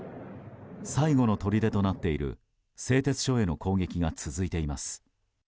最後のとりでとなっている製鉄所への攻撃が続いています。